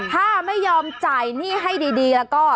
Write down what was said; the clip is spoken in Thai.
ถ้าไม่ยอมจ่ายหนี้ให้ดีแล้วก็